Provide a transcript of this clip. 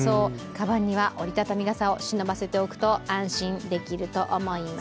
かばんに折り畳み傘をしのばせておくと安心できると思います。